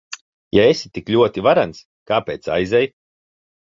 Ja esi tik ļoti varens, kāpēc aizej?